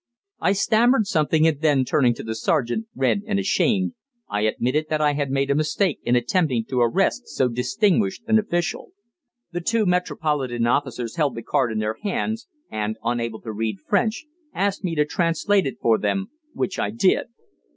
I stammered something, and then, turning to the sergeant, red and ashamed, I admitted that I had made a mistake in attempting to arrest so distinguished an official. The two metropolitan officers held the card in their hands, and, unable to read French, asked me to translate it for them, which I did.